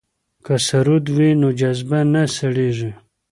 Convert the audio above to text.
که سرود وي نو جذبه نه سړیږي.